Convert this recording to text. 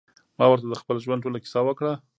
ما ورته د خپل ژوند ټوله کيسه وکړه.